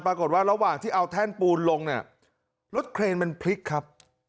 ปรากฏว่าระหว่างที่เอาแท่นปูนลงรถเครนมันพลิกครับ